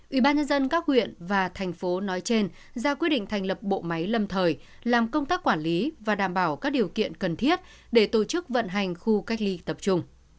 ubnd các huyện và thành phố nói trên ra quyết định thành lập bộ máy lâm thời làm công tác quản lý và đảm bảo các điều kiện cần thiết để tổ chức vận hành khu cách ly tập trung